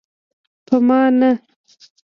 په ما نه.